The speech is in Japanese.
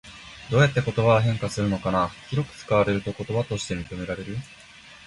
どうやって言葉は変化するのかな？広く使われると言葉として認められる？